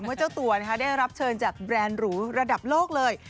เจ้าตัวได้รับเชิญจากแบรนด์หรูระดับโลกเลย